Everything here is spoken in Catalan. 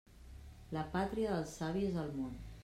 La pàtria del savi és el món.